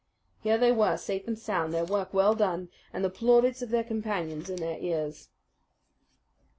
Here they were, safe and sound, their work well done, and the plaudits of their companions in their ears.